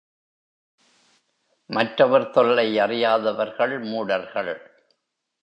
மற்றவர் தொல்லை அறியாதவர்கள் மூடர்கள்.